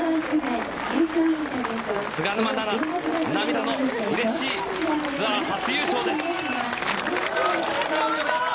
菅沼菜々涙のうれしいツアー初優勝です。